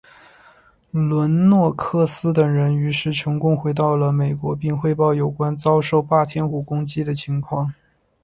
伦诺克斯等人于是成功回到了美国并汇报了有关遭受霸天虎攻击的情况。